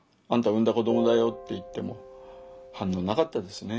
産んだ子どもだよって言っても反応なかったですね。